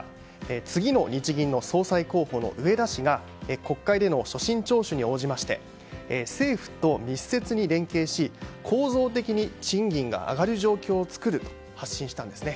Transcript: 次の日銀の総裁候補の植田氏が国会での所信聴取に応じまして政府と密接に連携し、構造的に賃金が上がる状況を作ると発信したんですね。